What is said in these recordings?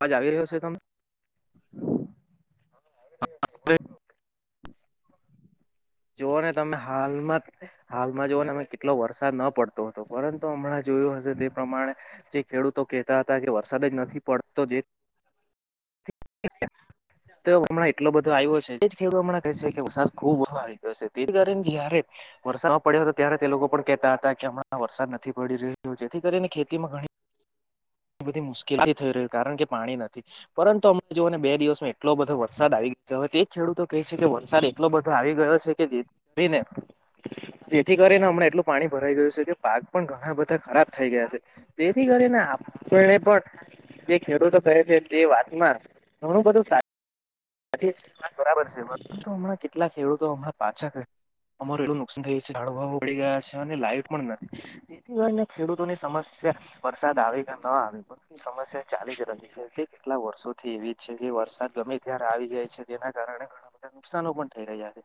આવાજ આવી રહ્યો છે તમે? જોઓ ને તમે હાલમાં જ હાલમાં જોવ ને તમે કેટલો વરસાદ ન પડતો હતો પરંતુ હમણાં જોયું હશે તે પ્રમાણે જે ખેડૂતો કેહેતા હતા કે વરસાદ જ નથી પડતો જે [inaudible] તો હમણા એટલો બધો આવ્યો છે એ જ ખેડુતો હમણા કહે છે કે વરસાદ ખુબ આવે જેથી કરી જયારે વરસાદ નહોતો પડ્યો હતો ત્યારે તે લોકો પણ કેહેતા હતા કે હમણાં વરસાદ નથી પડી રહ્યો જેથી કરીને ખેતીમાં ઘણી બધી મુશ્કેલથી થઈ રહ કારણ કે પાણી નથી પરંતુ અમમે જોઓ ને બે દિવસમાં એટલો બધો વરસાદ આવી ગયો જ તે ખેડૂતો કહે છે કે વરસાદ એટલો બધો આવી ગયો છે કે જેને જેથી કરીને હમણાં એટલું પાણી ભરાઈ ગયું છે કે પાક પણ ઘણા બધા ખરાબ થઈ ગયા છે. તેથી કરી ને આપણે પણ જે ખેડૂતો કહે છે જે વાત માં ઘણું બધું સાચુ બરાબર છે પરંતુ હમણાં કેટલા ખેડૂતો હમણાં પાછાયા. અમાર એટલું નુકસાન થયું છે ઝાડવા પડી ગયા છે અને લાઈટ પણ નથી. જેથી કરીને ખેડૂતોની સમસ્યા વરસાદ આવી કે ન આવી એ સમસ્યા ચાલી જ રહી છે તે કેટલા વર્ષોથી એવી જ છે જે વરસાદ ગમે ત્યારે આવી જાય છે જેના કારણે આ બધા નુકસાનો પણ થઈ રહ્યા છે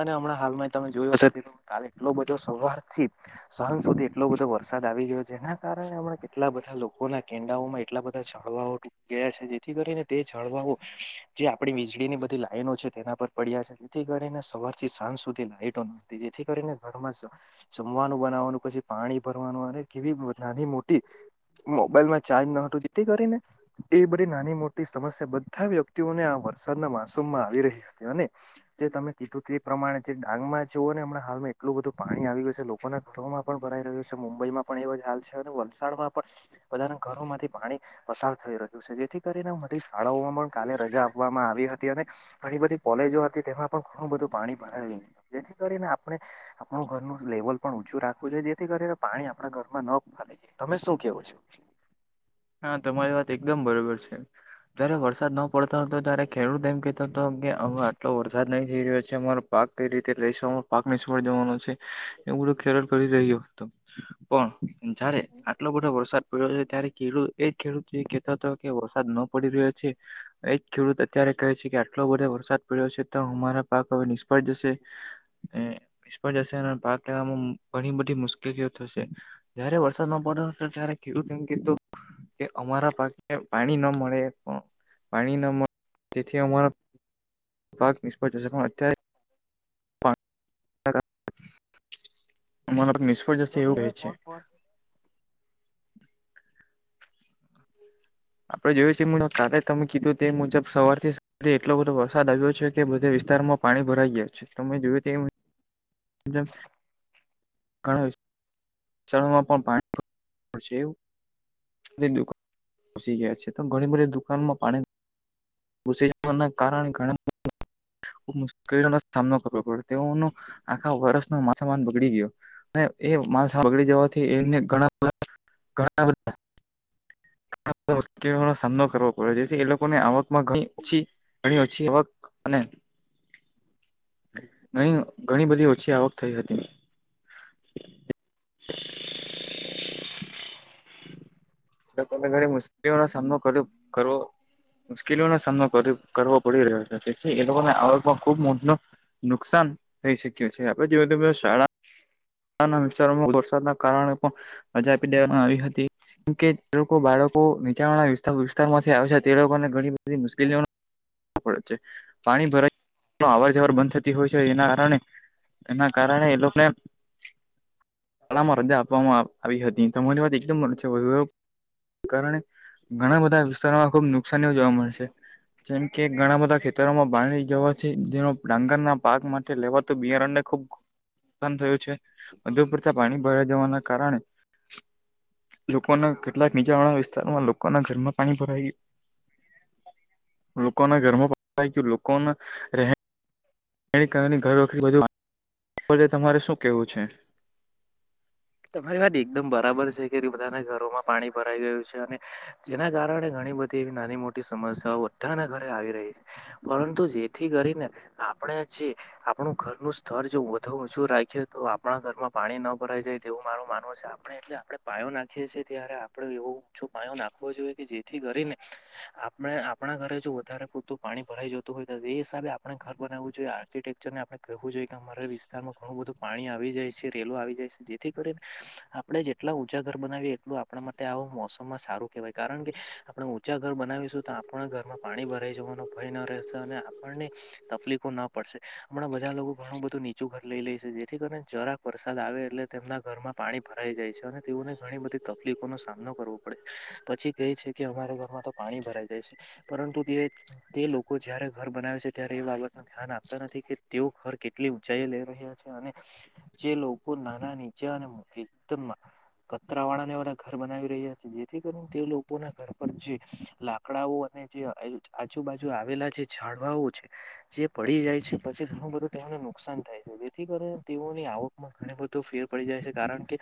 અને હમણાં હાલમાં તમે જોયો હશે કાલે એટલો બધો સવારથી સાંજ સુધી એટલો બધો વરસાદ આવી ગયો છે ને કારણેમણા કેટલા બધા લોકો ના કેન્ડાઓમાં એટલા બધા જળવાઓ તૂટયા છે જેથી કરીને તે જાળવાો જે આપણી વીજળીની બધી લાઈનો છે તેના પર પડ્યા છે જેથી કરીને સવાર પી સાંજ સુધી લાાઈટો ન જેથી કરીને ઘરમાં જ જમવાનું બનાવવાનું પછી પાણી ભરવાનું અને કેવી નાની મોટી મોબાઈલ માં ચાર્જ ન હતું જેથી કરી ને એ બધી નાની મોટી સમસ્યા બધા વ્યક્તિઓને આ વરસાદના મોસમમાં આવી રહી હતી અને જે તમે કીધુ તે પ્રમાણે જે ડાંગમાં જુઓ ને હમણાં હાલમાં એટલું બધું પાણી આવી ગય છે લોકોના ઘમાં પણ ભરાઈ રહ્યું છે મુંબઈમાં પણ એવો જ હાલ છે અને વલસાડમાં પણ બધાના ઘરો માંથી પાણી પસાર થઈ રહ્યું છે જેથી કરીને મોરી શાળાઓમાં પણ કાલે રજા આપવામાં આવી હતી અને ઘણી બધી કોલેજો હતી તેમાં પણ ઘણું બધું પાણી ભરાું જેથી કરીને આપણે આપણું ઘરનું લેવલ પણ ઊંચું રાખવું જોઈ જેથી કરીને પાણી આપણા ઘરમાં ન આવે તમે શું કેવો છો હા તમારી વાત એકદમ બરોબર છે જયારે વરસાદ ન પડતો હો તો ત્યારે ખેડૂર એમ કહેતો તો કે અમાં આટલો વરસાદ નહી થઈ રહ્યો છે અમારો પાક કઈ રીતે લઈશમા પાક નિષ્ફળ જવાનો છે એવું બધુ ખેડૂત કરી રહ્યો હતો [inaudible] પણ જયારે આટલો બધો વરસાદ પડ્યો છે ત્યારે ખેડૂત એ ખેડૂત કહેતો હતો કે વરસાદ ન પડી રહ્યો છે એ જ ખેડૂત અત્યારે કહે છે કે આટલો બધો વરસાદ પડ્યો છે તો અમારા પાક હવે નિષ્ફળ જશે એ [inaudible] નિષ્ફળ જશે અને પાક લેવામાં ઘણી બધી મુશ્કેલીઓ થશે જયારે વરસાદ ન પડ્યો હતો ત્યારે ખેડૂત એમ કેતો કે અમારા પાસે પાણી ના મળે પણ પાણી ન મળે તેથી અમારો પાક નિષ્ફળ જશે પણ અત્યારે સારા આમા નથી [inaudible] [inaudible] આપડે જોયું છે કા તમે કીધું તે મુજબ સવારથી એટલો બધો વરસાદ આવ્યો છે કે બધા વિસ્તારોમાં પાણી ભરાઈ ગયા છે તમે જોય તો ઘણા શેમાં પણ પાણી છેવ [inaudible] ઘસી ગયા છે તો ઘણી બધી દુકાનમાં પાણી ઘુસી જવા ના કારણે ઘણા મુશ્કેલીઓનો સામનો કરવો પડે [unintelligible] તેઓનો આખા વર્ષ નો માલસામાન બગડી ગયો એ બગડી જવાથી એને ઘણા બધા ઘણા બધા મુશ્કેલીનો સામનો કરવો પડ છે એ લોકોને આવક ઘણી ઓછી ઘણી ઓછી આવક અને ઘણી ઘણી બધી ઓછી આવક થઈ હતી. એ [unintelligible] તમે ઘરે મુશ્કેલીનો સામનો કર્યો કરવો મુશ્કેલીઓ નો સામનો કરવો પડી રહ્યો છે તેથી એ લોકોને આવક ખુબ મોટો નુકસાન થઈ શક્યું છે આપડે જો શાળા હ [unintelligible] વિસ્તારોમાં વરસાદના કારણે પણ રજા આપી દેવામાં આવી હતી કે જે લોકો બાળકો નીચાણવાળા વિસ્તાર માંથી આવે છે તે લોકોને ઘણી બધી મુશ્કેલીઓ છે [unintelligible] પાણી ભરાય અવર જવર બંધ થતી હોય છે જેના કારણે એના કારણે એ લોકોને શાળામાં રજા આપવામાં આવી હતી તમારી વાત એકદમ બરાબર છે કારણે- ઘણા બધા વિસ્તારોમાં ખુબ નુકસાનીઓ જોવા મળે છે જેમ કે ઘણા બધા ખે ખાતરમાં પાણી જવાથી જે ડાંગરના પાક માટે લેવાતુ બિયારણને ખૂબ નુકસાન થયું છે. વધુ પરતા પાણી ભરાઈ જવાના કારણે લોકો ના કેટલાક નીચાણવાળા વિસ્તારોમાં લોકોના ઘરમાં પાણી ભરાય લોકો ના ઘરમાં પ થાય લોકો રહે એ કારની ઘર વખું તમારે શું કેવું છે [unintelligible] તમારી વાત એકદમ બરાબર છે કે બધાના ઘરોમાં પાણી ભરાઈ ગયું છે અને જેના કારણે ઘણી બધી એવી નાની મોટી સમસ્યાઓ બધાના ઘરે આવી રહી છે. પરંતુ જેથી કરીને આપણે જે આપણું ઘરનું સ્તર જો વધુ ઊંચુ રાખીએ તો આપણા ઘરમાં પાણી ન ભરાઈ જાય તેવું માર માનવુ છે આપણે એટલે આપણે પાયો નાખીએ છીએ ત્યારે આપડે એવો ઓછો પાયો નાખવો જોઈએ કે જે થી કરીને આપણે આપણા ઘરે જો વધારે પડતું પાણી ભરાઈ જતું હોય તો તે હિસાબે આપણે ઘર બનાવવું જોઈએ આર્કિટેક્ચર ને આપડે કહેવું જોઈએ કે અમારા વિસ્તારમાં ઘણું બધું પાણી આવી જાય છે. રેલો આવી જાય છે જેથી આપણે જેટલા ઉંચા ઘર બનાવીએ એટલું આપણા માટે આ મોસમમાં સારું કેહેવાય કારણ કે આપણે ઊંચા ઘર બનાવીશું તો આપણા ઘરમાં પાણી ભરાઈ જવાનો ભય ન રહેશે અને આપણને તકલીફો ના પડશે હમણાં બધા લોકો ઘણું બધું નીચું ઘર લઈ લે છે જેથી કરીને જરાક વરસાદ આવે એટલે તેમના ઘરમાં પાણી ભરાઈ જાય છે અને તેઓને ઘણી બધી તકલીફોનો સામનો કરવો પડે પછી કેય છે કે અમારા ઘરમાં તો પાણી ભરાય જાય છે પરંતુ તે તે લોકો જયારે ઘર બનાવે છે ત્યારે એ બાબત ધ્યાન આપતા નથી કે તેઓ ઘર કેટલી ઊંચાઈ લઈ રહ્યા છે અને જે લોકો ના નીચે અને એકદમમાં પતરા વાળા ને એવા ઘર બનાવી રહ્યા છે જેથી કરીને તે લોકો ના ઘર પર જે આકડાઓ અને જે આજુબાજુ આવેલા જે ઝાડવાઓ છે. જે પડી જાય છે પછી ઘણું બધું તેઓને નુકસાન થાય છે જેથી કરીને તેઓની આવકમાં ઘણુ બધું તો ફેર પડી જાય છે કારણ કે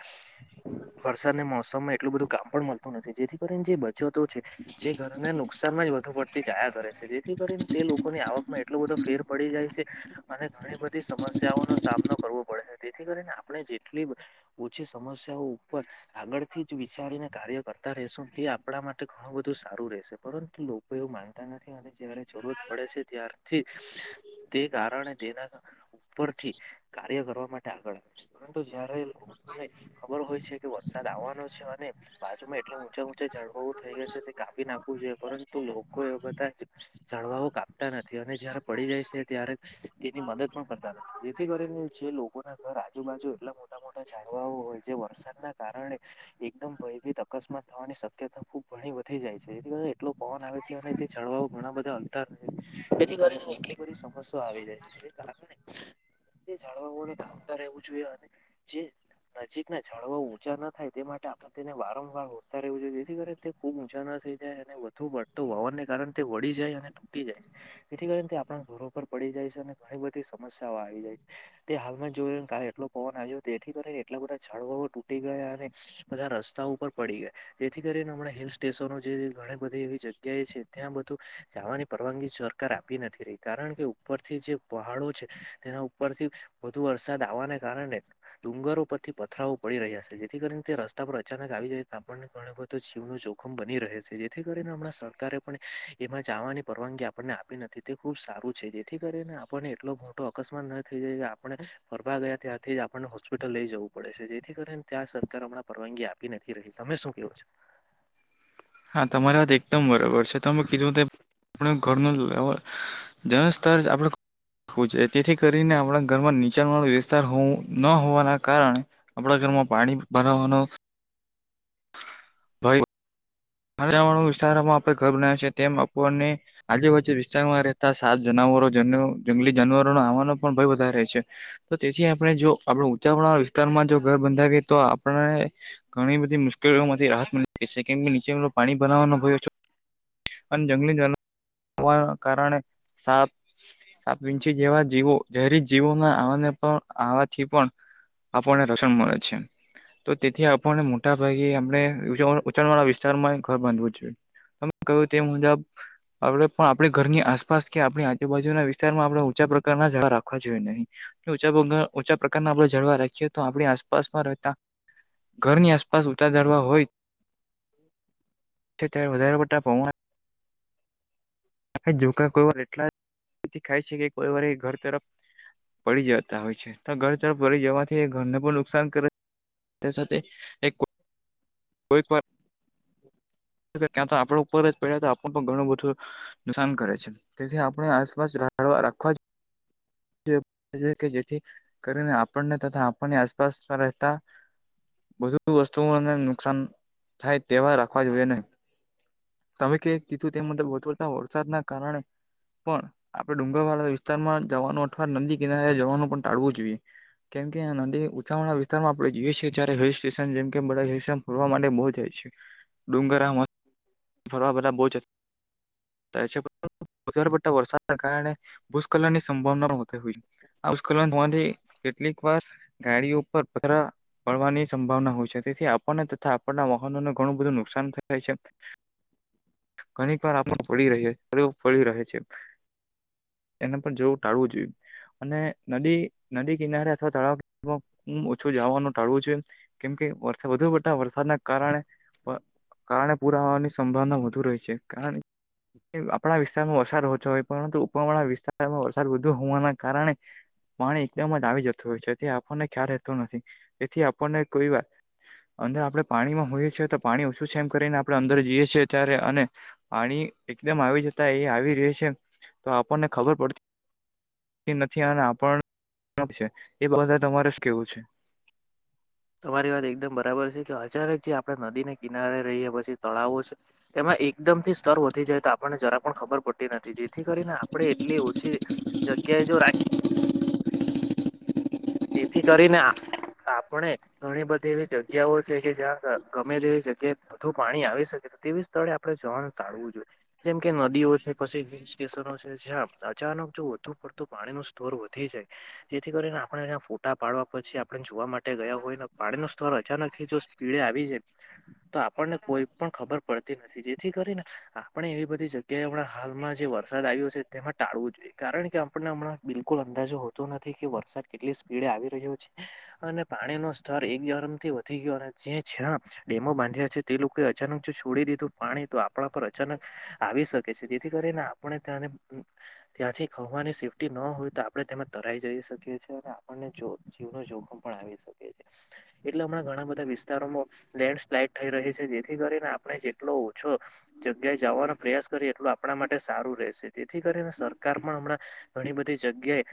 વરસાદને મોસમમાં એટલું બધું કામ પણ મળતું નથી જેથી કરીને જે બચતો છે જે ઘરને નુકસાનમાં જ વધુ પડતી જાયા કરે છે જેથી કરીને તે લોકો ની આવકમાં એટલો બધો ફેર પડી જાય છે અને ઘણી બધી સમસ્યાઓનો સામનો કરવો પડે છે. તેથી કરીને આપણે જેટલી ઓછી સમસ્યાઓ ઉપર આગળથી જ વિચારીને કાર્ય કરતા રયશુ તે આપણા માટે ઘણું બધું સારું રહેશે પરંતુ લોકો એવું માગતા નથી અને જારે જરૂરત પડે છે ત્યારથી તે કારણે તેના ઉપરથી કાર્ય કરવા માટે આગળ આવે છે પરંતુ જયારે ને ખબર હોય છે કે વરસાદ આવવાનો છે અને બાજુમાં એટલે ઊંચે ઊંચે ઝાડવા થઈ ગયા તે કાપી નાખવું જોઈએ પરંતુ લોકો એ બધા જ ઝાડવાઓ કાપતા નથી અને જય્યારે પડી જાય છે ત્યારે, તેની મદદ પણ કરતા નથી જેથી કરીને છે લોકોના ઘર આજુબાજુ એટલા મોટા મોટા ઝાડવાઓ હોય જે વરસાદના કારણે એકદમ ભયભીત અકસ્માત થવાની શક્યતા ખુબ ઘણી વધી જાય છે, જેથી એટલો પવન આવે ઝાળવાઓ ઘણા બધા અધર રહે છે તેથી કરી એટલી બધી સમસ્યા આવી જાય છે. તે જાણવા માટે ખામદ રહેવું જોઈએ અને જે નજીકના ઝાળવાઓ ઊંચા ન થાય તે માટે આપણે તેને વારંવાર ઓરતા રહેવું જોઈએ જેથી કરી ખુબ ઊંચા ના થઇ જાય અને વધુ પળતો વાવરને કારણે તે વળી જાય અને તૂટી જાય જેથી કરીને તે આપણા ધોરો પર પડી જાય છે અને ઘણી બધી સમસ્યાઓ આવી જાય છે તે હાલમાં જ જોને કલે એટલો પવન આવ્યો. જેથી કરીને એટલા બધા ઝાડવાઓ તૂટી ગયા અને બધા રસ્તા ઉપર પડી ગયા, જેથી કરીને હિલ સ્ટેશનો જે ઘણી બધી એવી જગ્યા એ છે ત્યાં બધું જવાની પરવાનગી સરકાર આપી નથી રહી કારણ કે ઉપરથી જે પહાડો છે તેના ઉપરથી વધુ વરસાદ આવવાને કારણે ડુંગરો પરથી પથરાઓ પડી રહ્યા છે, જેથી કરીને તે રસ્તા પર અચાનક આવી જાય તો આપણને ઘણી બધ તો જીવનું જોખમ બની રહે છે જેથી કરીને હમણાં સરકારે પણ એમાં જવાની પરવાનગી આપણને આપી નથી. તે ખુબ સારું છે જેથી કરીને આપણને એટલો મોટો અકસ્માત ન થઈ જાય કે આપણે ફરવા ગયા ત્યાં થી જ આપણને હોસ્પિટલ લઈ જવું પડે છે જેથી કરીને ત્યાં સરકાર હમણાં પરવાનગી આપી નથી રહી, તમે શું કેહો છો હા તમારી વાત એકદમ બરોબર છે તમે કીધું ત ઘર જે સ્તર આપડ તેથી કરીને આપણા ઘરમાં નીચાણ વાળો વિસ્તાર હોવ ન હોવાના કારણે આપણા ઘરમાં પાણી ભરાવાનું મા વાળો વિસ્તારોમાં આપે ઘર બનાવ છે તેમ આપને આજે વચ્ચે વિસ્તારમાં રહેતા સાત જનાવરો જંગલી જાનવરો ન આવાનો પણ ભય વધારે છે. તો તેથી આપણે જો આપણા ઊંચાવાળા વિસ્તારમાં જો ઘર બંધાવીએ તો આપણે ઘણી બધી મુશ્કેલીઓમાંથી રાહત મળી છે કે નીચે પાણી ભરાવવાનો અને જંગલી જાનવર કારણે સાપ સાપ, વિંછી જેવા જીવો જેરી જીવોના આવાને પણ આવાથી પણ આપણને રસણ મળે છે, તો તેથી આપણને મોટાભાગે આપણે ઉચાણ વાળા વિ રમાં ઘર બાંધવું જોઈએ કહ્યું તે મુજબ આપડે પણ આપણી ઘરની આસપાસ કે આપણી આજુબાજુના વિસ્તારમાં આપણે ઉંચા પ્રકારના ઝાળ રાખવા જોઈએ નહીં. ચા ઓચા પ્રકારના આપડે ઝાળવા રાખીએ તો આપણી આસપાસમાં રહેતા ઘરની આસપાસ ઉચા ઝાળવા હોય [inaudible] વધારે પડતા‌ પવન જો કોઈ વાર એટલા ખાય છે કે કોઈ વાર ઘર તરફ પડી જતા હોય છે તો ઘર તર પડી જવાથી ઘરને પણ નુકસાન કરે તે સાથે એક કોઈ પણ ત્યાં તો આપણા ઉપર જ પડ્યા તો આપણું પણ ઘણું બધું નુકસાન કરે છે, તેથી આપણે આસપાસવા રાખવા જેથી કરીને આપણને તથા આપણની આસપાસમાં રહેતા બધું વસ્તુઓને નુકસાન થાય તેવા રાખવા જોઈએ નહી. તમે કીધું તે મતલબ વધુ પડતા વરસાદના કારણે પણ આપડે ડુંગર વાળા વિસ્તારમાં જવાનું અથવા નદી કિનારે જવાનું પણ ટાળવું જોઈએ. કેમ કે નદી ઉચાણવાળા વિસ્તારમાં આપણે જઈએ છીએ જ્યારે હિલ સ્ટેશન જેમ કે બધલનર માટે બહુ જાય છે. ડુંગરામાં [inaudible] ફરવા બા બહુ જ ભજર પતા વર્સા સર કારણે ભૂસ્ખલન સંભવ ના ્કે કેટલીક વાર ગાડીઓ પર પવાની સંભાવના હોય છે તેથી આપણને તથા આપણના વાહનોને ઘણું બધું નુકસાન થાય છે. ઘણીક વાર આપણે પડી રહે છે. એને પણ જેવું ટાળવું જોઈએ. અને નદી, નદી કિનારે અથવા તળાવમાં ઓછું જવાનું ટાળવું છે. કેમકે વરસાદ, વધુ પડતા વરસાદના કારણે, કારણે પૂરા હોવાની. સંભાવના વધુ રહે છે, કારણ આપણા વિસ્તારમાં વરસાદ ઓછો હોય, પરંતુ ઉપરવાળા વિસ્તારમાં વરસાદ વધુ હોવાના કારણે. પાણી એકદમ જ આવી જતું હોય છે, આપણને ખ્યાલ રહેતો નથી, તેથી આપણને કોઈ વાર. અંદર આપણે પાણીમાં હોઈએ છીએ, તો પાણી ઓછું સમ કરીને આપણે અંદર જઈએ છીએ. છે ત્યારે, અને પાણી એકદમ આવી જતા, એ આવી રહ્યા છે. તો આપણને ખબર પડતી. નથી, અને આપણ એ બધા તમારે જ કેવું છે. તમારી વાત એકદમ બરાબર છે, કે અચાનક જે આપણે નદીને કિનારે રહીએ, પછી તળાવો છે. તેમાં એકદમ થી સ્તર વધી જાય, તો આપણને જરા પણ ખબર પડે. નથી, જેથી કરીને આપડે એટલી ઓછી જગ્યાએ જો રાખી. એથી કરીને આપણે ઘણી બધી એવી જગ્યાઓ છે, કે જ્યાં ગમે તેવી જગ્યા. વધુ પાણી આવી શકે તેવી સ્થળે આપણે જવાનું ટાળવું જોઈએ, જેમ કે નદીઓ છે, પછી. જ્યાં અચાનક જો વધુ પડતું પાણી ન સ્તર વધી જાય, જેથી કરીને એ ફોટા પાડવા પછી આપણે જોવા માટે ગયા હોય ને, પાણી નું સ્તર અચાનક થી જો સ્પીડે આવી જાય. તો આપણને કોઈ પણ ખબર પડતી નથી, જેથી કરીને આપણે એવી બધી જગ્યા કે હમણાં હાલમાં જે વરસાદ આવ્યો છે, તેમાં ટાળવું જોઈએ. કારણ કે આપને હમણાં બિલકુલ અંદાજો હોતો નથી કે વરસાદ કેટલી સ્પીડે આવી રહ્યો છે. અને પાણી નું સ્તર એક ગરમથી વધી ગયો, અને જે છે ડેમો બાંધ્યા છે, તે લોકોએ અચાનક જો છોડી દીધું, પાણી તો આપણા પર અચાનક આવી શકે છે, જેથી કરીને આપણે ત્યાંને ત્યાંથી ખવાની સેફ્ટી ન હોય તો આપડે તેમાં તરાઈ જઈ શકીએ છીએ. આપને જીવનો જોખમ પણ આવી શકે છે, એટલે હમણાં ઘણા બધા વિસ્તારોમાં લેન્ડ સ્લાઈડ થઈ રહી છે, જેથી કરીને આપણે જેટલો ઓછો જગ્યાએ જવાનો પ્રયાસ કરીએ, એટલે આપણા માટે સારું રહેશે. તેથી કરીને સરકાર પણ હમણાં ઘણી બધી જગ્યાએ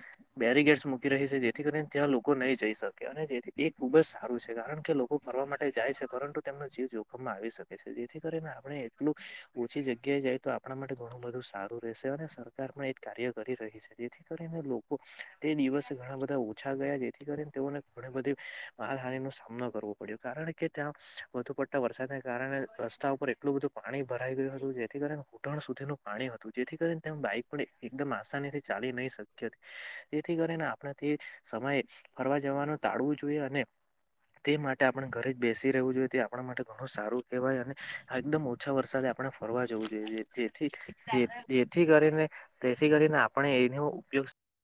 બેરીગેડસ મૂકી રહી છે, જેથી કરીને ત્યાં લોકો નહી જઈ શકે, અને જેથી એ ખુબ જ સારું છે, કારણ કે લોકો ફરવા માટે જાય છે. પરંતુ તેમનો જીવ જોખમમાં આવી શકે છે, જેથી કરીને આપણે એટલું ઓછી જગ્યાએ જાય, તો આપણા માટે ઘણું બધું સારું રહેશે, અને સરકાર પણ એ જ કાર્ય કરી રહી છે. જેથી કરીને લોકો તે દિવસ ઘણા બધા ઓછા ગયા, જેથી કરીને તેઓને ઘણી બધી માારહાની નો સામનો કરવો પડ્યો, કારણ કે ત્યાં વધુ પડતા વરસાદ કારણે રસ્તા ઉપર એટલું બધું પાણી ભરાઈ ગયું હતું, જેથી કરીને ધુટણ સુધીનું પાણ્યું હતું, જેથી કરીને બાઈક પણ એકદમ આસાનીથી ચાલી નહી શકતી હતી. તેથી કરીને સમય ફરવા જવાનું ટાળવું જોઈએ, અને તે માટે આપણે ઘરે જ બેસી રહેવું જોઈએ. તે આપણા માટે ઘણું સારું કહેવાય. અને એકદમ ઓછા વરસાદ આપણે ફરવા જવું જોઈએ, જેથી કરીને તેથી કરીને પણ એનો ઉપયોગ